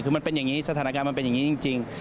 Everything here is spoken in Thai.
คือมันเป็นอย่างนี้สถานการณ์มันเป็นอย่างนี้จริง